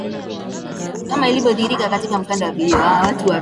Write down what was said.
kama lilivyodhihirika katika mkanda wa video